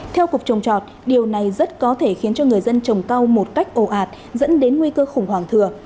theo cục trồng trọt điều này rất có thể khiến cho người dân trồng cao một cách ồ ạt dẫn đến nguy cơ khủng hoảng thừa